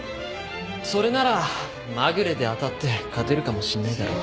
それならまぐれで当たって勝てるかもしんねえだろ。